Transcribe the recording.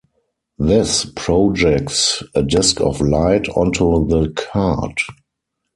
This projects a disc of light onto the card.